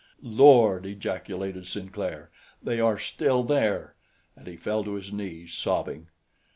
"Lord!" ejaculated Sinclair. "They are still there!" And he fell to his knees, sobbing.